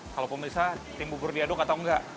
kalau pemirsa tim bubur diaduk atau enggak